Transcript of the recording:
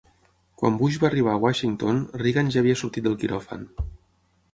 Quan Bush va arribar a Washington, Reagan ja havia sortit del quiròfan.